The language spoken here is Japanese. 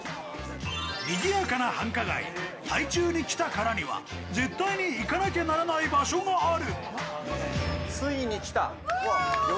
にぎやかな繁華街、台中に来たからには絶対に行かなきゃならない場所がある。